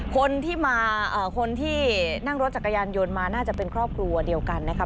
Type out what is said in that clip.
คนที่มาคนที่นั่งรถจักรยานยนต์มาน่าจะเป็นครอบครัวเดียวกันนะครับ